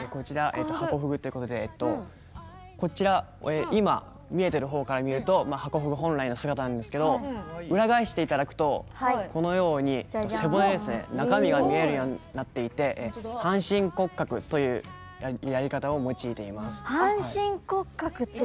ハコフグということで今、見えている方から見るとハコフグの本来の姿なんですが裏返していただくと背骨中身が見えるようになっていて半身骨格というやり方を用いています。